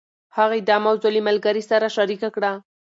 هغې دا موضوع له ملګرې سره شريکه کړه.